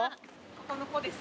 ここの子です。